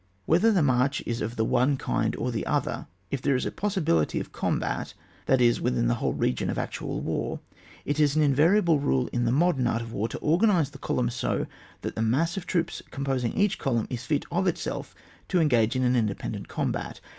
Whether the march is of the one kind or the other, if there is a possibility of a combat, that is within the whole region of actual war, it is an invariable rule in the modem art of war to organise the columns so that the mass of troops com posing each column is fit of itself to en gage in an independent combat.